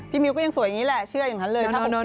มิวก็ยังสวยอย่างนี้แหละเชื่ออย่างนั้นเลย